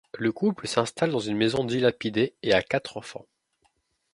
Le couple s'installe dans une maison dilapidée et a quatre enfants.